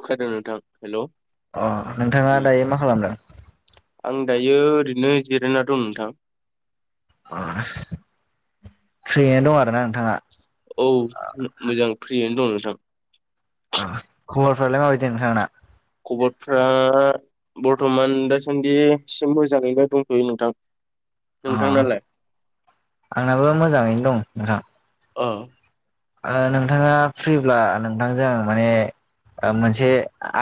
अखादों नोंथां हेल' उम अ नोंथाङा दायो मा खालामदों आं दायो ओरैनो जिरायना दं नोंथां [unintelligible] फ्रिनो दं आरोना नोंथाङा औ म मोजां फ्रियैनो दं नोंथां खबरफ्रालाय माबायदि नोंथांंना खबरफ्रा बर्तमान दासान्दि सिम मोजाङैनो दंथ'यो नोंथां अ नोंथांनालाय आंनाबो मोजाङैनो दं नोंथां अ ओ नोंथाङा फ्रिब्ला नोंथांजों आं माने ओ मोनसे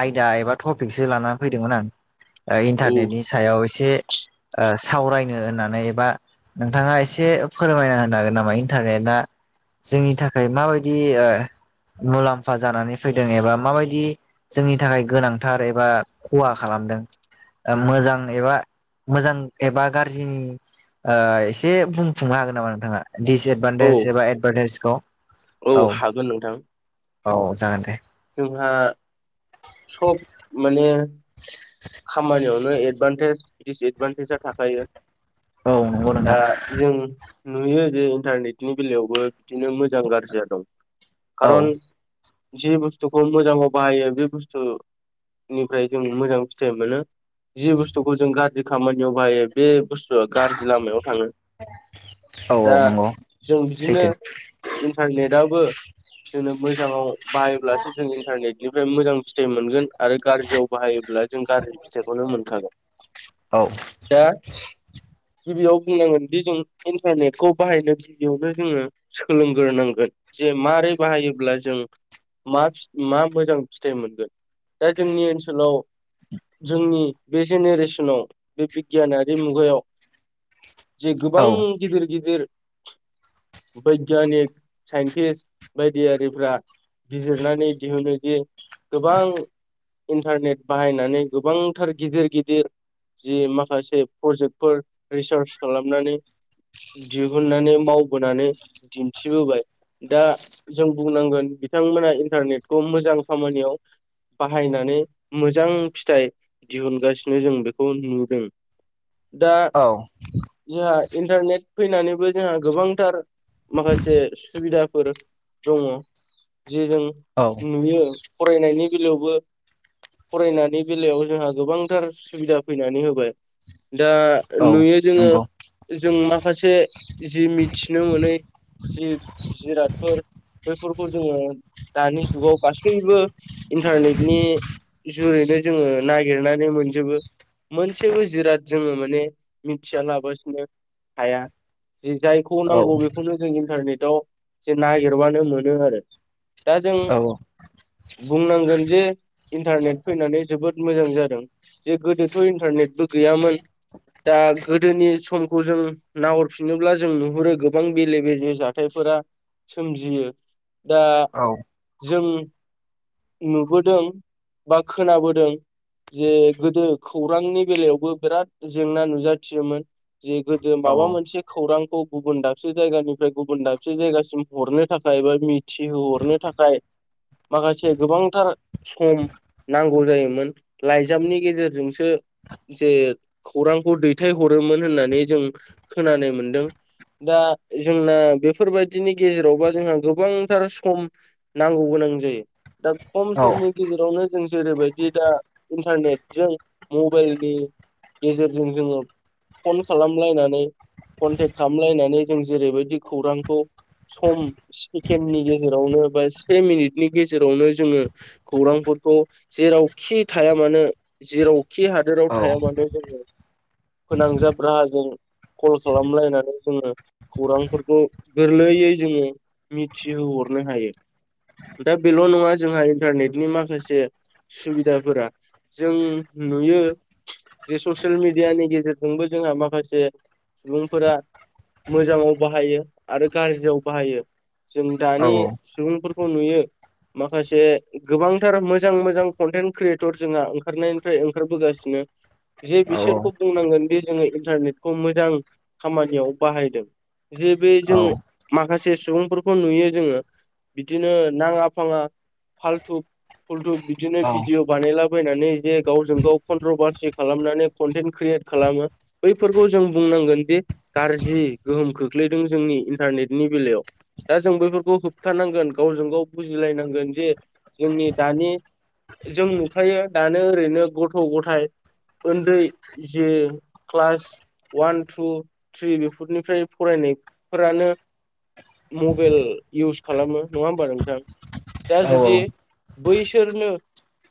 आयदा एबा टपिकसो लानानै फैदोंमोन आं। ओ औ इन्टारनेटनि सायाव एसे ओ सावरायनो होननानै एबा नोंथाङा एसे फोरमायना होनो हागोन नामा इन्टारनेटआ जोंनि था माबायदि मुलाम्फा जानानै फैदों एबा माबायदि जोंनि थाखाय गोनांथार एबा खहा खालामदों। मोजां एबा मोजां एबा गाज्रिनि ओ एसे बुंफुंनो हागोन नामा नोंथाङा औ दिसएदभान्टेज एबा एदभान्टेजखौ औ हागोन नोंथां औ जागोन दे जोंहा सब माने खामानियावनो एदभान्टेज दिडिसएदभान्टेजआ थाखायो। औ नंगौ दा नोंथां जों नुयो जे इन्टारनेटनि बेलायावबो बिदिनो मोजां गाज्रिया दं। औ खारन जि बुस्थुखौ मोजाङाव बाहायो बे बुस्थु निफ्राय जों मोजां फिथाइ मोनो। जि बुस्थुखौ जों गाज्रि खामानियाव बाहायो बे बुस थुआ गाज्रि लामायाव थाङो। औ दा नंगौ जों बिदिनो सैथो इन्टारनेटआबो जोंनो मोजाङाव बाहायोब्लासो जों इन्टारनेटनिफ्राय मोजां फिथाइ मोनगोन आरो गाज्रियाव बाहायोब्ला जों गाज्रि फिथाइखौनो मोनखागोन। औ दा गिबियाव बुंनांगोनदि जों इन्टारनेटखौ बाहायनो गिबियावनो जोङो सोलोंग्रोनांगोन जे मारै बाहायोब्ला जों मा फि मा मोजां फिथाइ मोनगोन? दा जोंनि ओनसोलाव जोंनि बे जेनेरेसनाव बे बिगियानारि मुगायाव जे गोबां औ गिदिर गिदिर बैग्यानिक, साइन्टिस्ट बायदियारिफ्रा बिजिरनानै दिहुनो जे गोबां इन्टारनेट बाहायनानै गोबांथार गिदिर गिदिर जि माखासे प्रजेक्टफोर रिसार्च खालामनानै दिहुननानै मावबोनानै दिन्थिबोबाय दा जों बुंनांगोन बिथांमोना इन्टारनेटखौ मोजां खामानियाव बाहायनानै मोजां फिथाइ दिहुनगासिनो जों बेखौ नुदों। दा औ जोंहा इन्टारनेट फैनानैबो जोंहा गोबांथार माखासे सुबिदाफोर दङ जेजों औ नुयो फरायनायनि बेलायावबो फरायनायनि बेलायाव जोंहा गोबांथार सुबिदा फैनानै होबाय। दा औ नुयो जोङो नंगौ जों माखासे जि मिथिनो मोनै जि जिरादफोर बैफोरखौ जोङो दानि जुगाव गासैबो इन्टारनेटनि जरैनो जोङो नागिरनानै मोनजोबो मोनसेबो जिराद जोङो माने मिथिया लाबासेनो हाया। जे जायखौ औ नांगौ बेखौनो जों इन्टारनेटआव जे नागिरबानो मोनो आरो। दा जों औ बुंनांगोन जे इन्टारनेट फैनानै जोबोद मोजां जादों। जे गोदोथ' इन्टारनेटबो गैयामोन दा गोदोनि समखौ जों नाहरफिनोब्ला जों नुहुरो गोबां बेले बेजे जाथायफोरा सोमजियो। दा औ जों नुबोदों बा खोनाबोदों जे गोदो खौरांनि बेलायावबो बिराद जेंना नुजाथियोमोन। जे गोदो माबा मोनसे खौरांखौ गुबुन दाबसे जायगानिफ्राय गुबुन दाबसे जायगासिम हरनो थाखाय एबा मिथिहोहरनो थाखाय माखासे गोबांथार सम नांगौ जायोमोन लाइजामनि गेजेरजोंसो जे खौरांखौ दैथायहरोमोन होननानै जों खोनानो मोनदों। दा जोंना बेफोरबायदिनि गेजेरावबा जोंहा गोबांथार सम नांगौ गोनां जायो दा खम समनि गेजेरावनो जों जेरैबायदि दा इन्टारनेटजों मबाइलनि गेजेरजों जोङो फन खालामलायनानै कनटेक्ट खालामलायनानै जों जेरैबायदि खौरांखौ सम सेकेणडनि गेजेरावनो बा से मिनिटनि गेजेरावनो जोङो खौरांफोरखौ जेरावखि थाया मानो जेरावखि हादोराव औ औ थाया मानो जोङो फोनांजाब राहाजों कल खालामलायनानै जोङो खौरांफोरखौ गोरलैयै जोङो मिथिहोहरनो हायो। दा बेल' नङा जोंहा इन्टारनेटनि माखासे सुबिदाफोरा जों नुयो जे ससियेल मिडियानि गेजेरजोंबो जोंहा माखासे सुबुंफोरा मोजाङाव बाहायो आरो गाज्रियाव बाहायो । जों दानि सुबुंफोरखौ नुयो माखासे गोबांथार मोजां मोजां कन्टेन्ट क्रियेटर जोंहा ओंखारनायनिफ्राय ओंखारबोगासिनो जे बिसोरखौ बुंनांगोन दि जोङो इन्टारनेटखौ मोजां खामानियाव बाहायदों। जे बे जों माखासे सुबुंफोरखौ नुयो जोङो बिदिनो नाङा फाङा फालथु फुलथु बिदिनो भिडिअ बानायलाबायनानै जे गावजों गाव कनट्रभारसि खालामनानै कन्टेन्ट क्रियेट खालामो बैफोरखौ जों बुंनांगोन दि गाज्रि गोहोम खोख्लैदों जोंनि इन्टारनेटनि बेलायाव दा जों बैफोरखौ होबथानांगोन गावजों गाव बुजिलायनांगोन जे जोंनि दानि जों नुखायो दानो ओरैनो गथ' ग'थाय उन्दै जे क्लास अवान टु थ्रि बेफोरनिफ्राय फरायनायफोरानो मबाइल इउस खालामो नङा होमबा नोंथां। दा जुदि बैसोरनो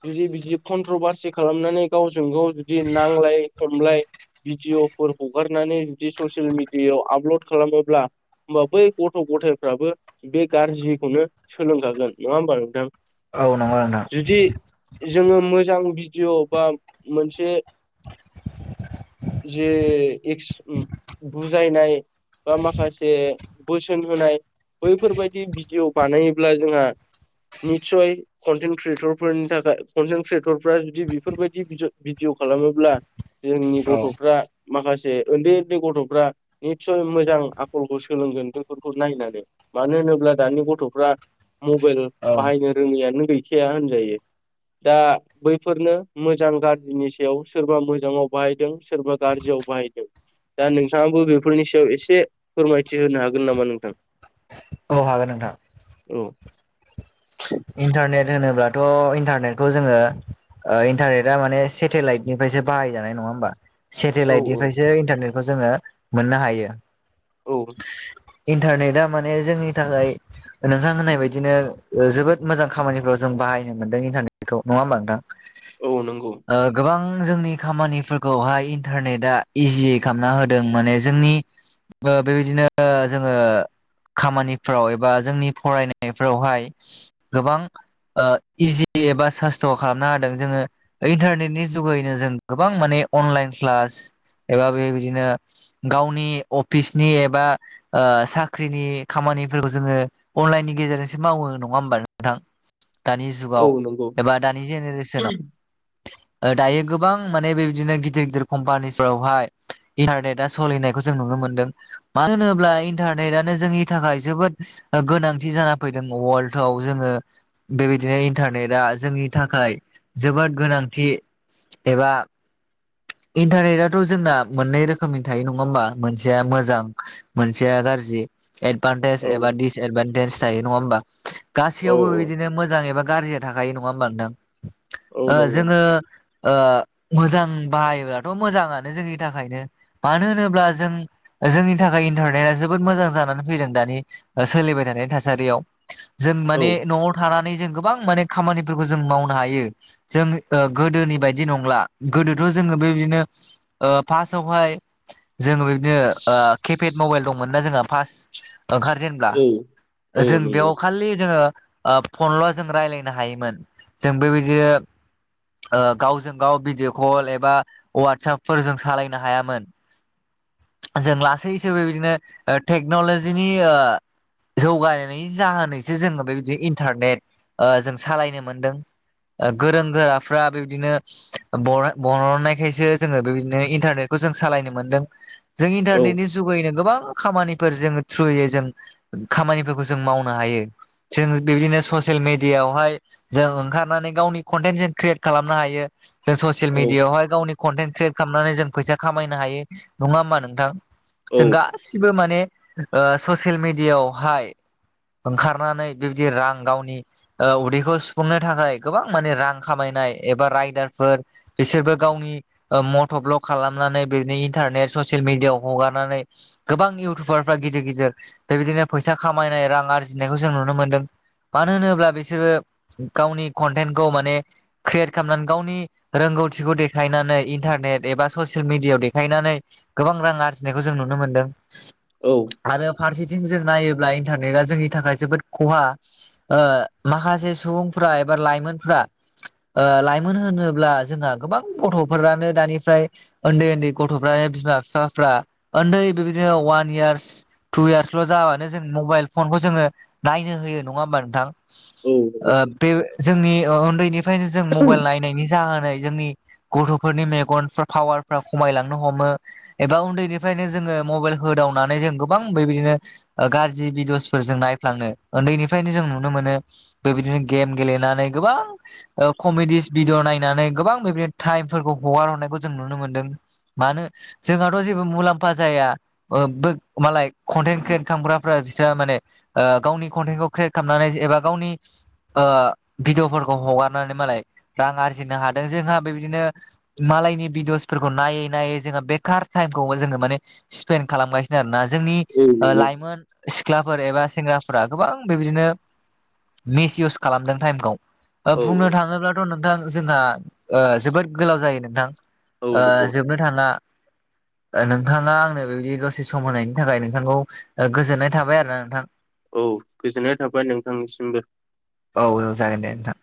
जुदि बिदि कन्ट्रभारसि खालामनानै गावजों गाव जुदि नांलाय खमलाय भिडिअ'फोर हगारनानै जुदि ससियेल मिडियायाव आपल'ड खालामोब्ला होमबा बै गथ' गथायफ्राबो बे गाज्रिखौनो सोलोंखागोन नङा होमबा नोंथां। अ नंगो जुदि नोंथां। जोङो मोजां भिडिअ' बा मोनसे जे एक्स बुजायनाय बा माखासे बोसोन होनाय बैफोरबायदि भिडिअ' बानायोब्ला जोंहा निदसय कनटेन्ट क्रियेटरफोरनि थाखाय कनटेन्ट क्रियेटरफ्रा जुदि बेफोरबायदि भिडिअ भिडिअ खालामोब्ला जोंनि औ गथ'फ्रा माखासे उन्दै-उन्दै गथ'फ्रा निदसय मोजां आखलखौ सोलोंगोन बेफोरखौ नायनानै मानो होनो ब्ला दानि गथ'फ्रा मबाइल बाहायनो रोङैयानो गैखाया होनजायो। दा बैफोरनो मोजां गाज्रिनि सायाव सोरबा मोजाङाव बाहायदों सोरबा गाज्रियाव बाहायदों। दा नोंथाङाबो बेफोरनि सायाव एसे फोरमायथि होनो हागोन नामा नोंथां। औ हागोन नोंथां। औ। इन्टारनेट होनोब्लाथ' इन्टारनेटखौ जोङो ओ इन्टारनेटा माने सेटेलाइटनिफ्रायसो बाहायजानाय नङा होमबा औ सेटेलाइटनिफ्रायसो इन्टारनेटखौ जोङो मोननो हायो। औ। इन्टारनेटा माने जोंनि थाखाय नोंथां होननाय बायदिनो जोबोद मोजां खामानिफ्राव जों बाहायनो मोन्दों इन्टारनेटखौ नङा होमबा नोंथां। [unintelligible] औ नंगौ। ओ गोबां जोंनि खामानिफोरखौहाय इन्टारनेटआ इजि खालामना होदों माने जोंनि ओ बेबायदिनो ओ जोङो खामानिफ्राव एबा जोंनि फरायनायफ्रावहाय गोबां ओ इजि एबा सासथ' खालामना होदों जोङो इन्टारनेटनि जुगैनो जों गोबां माने अनलाइन क्लास एबा बेबायदिनो गावनि अफिसनि एबा ओ साख्रिनि खामानिफोरखौ जोङो अनलाइननि गेजेरजोंसो मावो नङा होमबा नोंथां दानि जुगाव औ नंगौ एबा दानि औ जेनेरेसनाव दायो गोबां माने बेबायदिनो गिदिर गिदिर कम्पानिफोरावहाय इन्टारनेटा सोलिनायखौ जों नुनो मोन्दों मानो होनोब्ला इन्टारनेटानो जोंनि थाखाय जोबोद गोनांथि जाना फैदों वर्ल्डआव जोङो बेबायदिनो इन्टारनेटा जोंनि थाखाय जोबोद गोनांथि एबा इन्टारनेटाथ' जोंना मोननै रोखोमनि थायो नङा होमबा मोनसेया मोजां मोनसेया गाज्रि एदभान्टेज एबा दिस एदभान्टेज थायो नङा होमबा औ गासैयावबो बिदिनो मोजां एबा गाज्रिया थाखायो नङा होमबा नोंथां औ औ ओ नंगौ जोङो ओ मोजां बाहायोब्लाथ' मोजाङानो जोंनि थाखायनो मानो होनोब्ला जों जोंनि थाखाय इन्टारनेटा जोबोद मोजां जानानै फैदों दानि सोलिबाय थानायनि थासारियाव जों औ माने न'आव थानानै जों गोबां माने खामानिफोरखौ जों मावनो हायो। जों ओ गोदोनि बायदि नंला। गोदो जोङो बेबादिनो ओ फासावहाय जों [unintelligible] [unintelligible] ओ केपेड मबाइल दंमोन ना जोंहा फास ओंखार जेनब्ला औ औ जों नंगौ बेयाव खालि जोङो ओ फनल' जों रायलायनो हायोमोन जों बेबायदिनो ओ गावजों गाव भिडिअ' कल एबा वाटसापफोर जों सालायनो हायामोन। जों लासैसो बेबादिनो ओ टेक्न'ल'जिनि ओ जौगानायनि जाहोनैसो जोङो बेबायदि इन्टारनेट ओ जों सालायनो मोनदों। गोरों गोराफ्रा बेबादिनो बरन बरननायखायसो जोङो बेबायदिनो इन्टारनेटखौ जों सालायनो मोन्दों। जों औ इन्टारनेटनि जुगैैनो गोबां खामानिफोर जोङो थ्रुयै जों खामानिफोरखौ जों मावनो हायो। जों बिदिनो ससियेल मेडियावहाय जों ओंखारनानै गावनि कन्टेन्ट जों क्रियेट खालामनो हायो। जों ससियेल औ मिडियावहाय गावनि कन्टेन्ट क्रियेट खालामनानै जों फैसा खामायनो हायो नङा होमबा नोंथां औ जों गासिबो माने ओ ससियेल मिडियावहाय ओंखारनानै बेबायदि रां गावनि ओ उदैखौ सुफुंनो थाखाय गोबां माने रां खामायनाय एबा रायदार फोर बिसोरबो गावनि ओ मट' भ्लग खालामनानै बिनो इन्टारनेट ससियेल मिडियाव हगारनानै गोबां इउटुबारफ्रा गिदिर गिदिर बेबायदिनो फैसा खामायनाय रां आरजिनायखौ जों नुनो मोन्दों। मानो होनोब्ला बिसोरो गावनि कन्टेन्टखौ माने क्रियेट खालामनानै गावनि रोंगौथिखौ देखायनानै इन्टारनेट एबा ससियेल मिडियाव देखायनानै गोबां रां आरजिनायखौ जों नुनो मोनदों। औ। आरो फारसेथिं जों नायोब्ला इन्टारनेटआ जोंनि थाखाय जोबोद खहा माखासे सुबुंफ्रा एबा लाइमोनफ्रा लाइमोन होनो ब्ला जोंहा गोबां गथ'फोरानो दानिफ्राय उन्दै उन्दै गथ'फ्रा बिमा बिफाफ्रा उन्दै बेबायदिनो वान इयार्स टु इयार्सल' जाबानो जों मबाइल फनखौ जोङो नायनो होयो नङा होमबा नोंथां? नंगौ ओ बे जोंनि ओ उन्दैनिफ्रायनो जों मबाइल नायनायनि जाहोनै जोंनि गथ'फोरनि मेगन पावारफ्रा खमायलांनो हमो। एबा उन्दैनिफ्रायनो जोङो मबाइल होदावनानै जों गोबां बेबायदिनो ओ गाज्रि भिदिअसफोरजों नायफ्लांनो उन्दैनिफ्रायनो जों नुनो मोनो। बेबायदिनो गेम गेलेनानै गोबां ओ कमेडिस भिडअ' नाय नायनानै गोबां बेनो टाइमफोरखौ हगार हरनायखौ जों नुनो मोन्दों मानो जोंहाथ' जेबो मुलाम्फा जाया मालाय कन्टेन्ट क्रियेट खालामग्राफ बिस्रा माने गावनि कन्टेन्टखौ क्रियेट खालामनानै एबा गावनि भिडिअफोरखौ हगारनानै मालाय रां आरजिनो हादों जोंहा बेबायदिनो मालायनि भिदिअसफोरखौ नायै नायै जोङो बेखार टाइमखौ जोङो माने स्पेन् खालामगासिनो आरोना जोंनि औ नंगौ लाइमोन सिख्लाफोर एबा सेंग्राफोरा गोबां बेबायदिनो मिसयउस खालामदों टाइमखौ। औ बुंनो थाङोब्लाथ' नोंथां जोंहा जोबोद गोलाव जायो औ नोंथां नंगौ जोबनो नोंथाङा नोंथाङा आंनो बेबायदि दसे सम होनायनि थाखाय नोंथांखौ गोजोननाय थाबाय आरोना नोंथां। औ गोजोननाय थाबाय नोंथांनिसिमबो। औ औ जागोन दे नोंथां।